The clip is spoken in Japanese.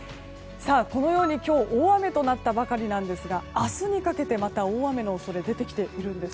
今日、大雨となったばかりなんですが明日にかけて、また大雨の恐れが出てきているんです。